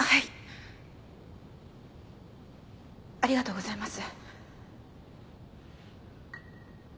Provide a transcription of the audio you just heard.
ありがとうございます。